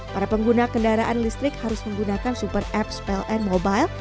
para pengguna kendaraan listrik harus menggunakan super apps pln mobile